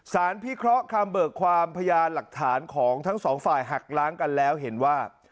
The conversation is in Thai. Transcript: พิเคราะห์คำเบิกความพยานหลักฐานของทั้งสองฝ่ายหักล้างกันแล้วเห็นว่า